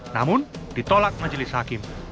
namun ditolak majelis hakim